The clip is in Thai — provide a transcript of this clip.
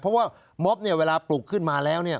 เพราะว่าม็อบเนี่ยเวลาปลุกขึ้นมาแล้วเนี่ย